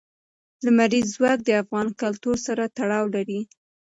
لمریز ځواک د افغان کلتور سره تړاو لري.